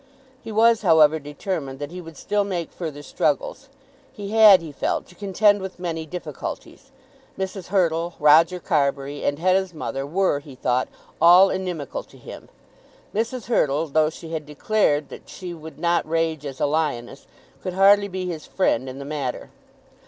He was, however, determined that he would still make further struggles. He had, he felt, to contend with many difficulties. Mrs. Hurtle, Roger Carbury, and Hetta's mother were, he thought, all inimical to him. Mrs. Hurtle, though she had declared that she would not rage as a lioness, could hardly be his friend in the matter.